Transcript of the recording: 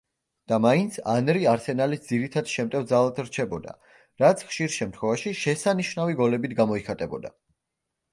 და მაინც, ანრი არსენალის ძირითად შემტევ ძალად რჩებოდა, რაც ხშირ შემთხვევაში შესანიშნავი გოლებით გამოიხატებოდა.